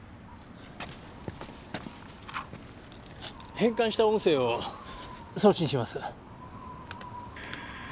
変換した音声を送信します。